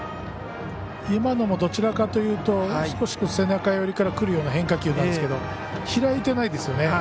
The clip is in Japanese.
今のもどちらかというと少し背中寄りからくる変化球なんですが開いてないですよね。